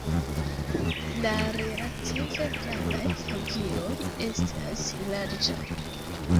La relative grandaj flugiloj estas larĝaj.